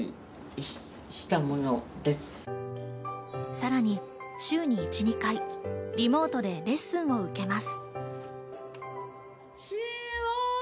さらに週に１２回、リモートでレッスンを受けます。